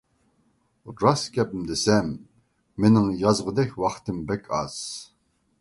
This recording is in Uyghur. راست گەپنى دېسەم مېنىڭ يازغۇدەك ۋاقتىم بەك ئاز.